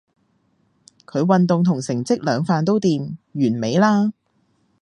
佢運動同成績兩瓣都掂，完美啦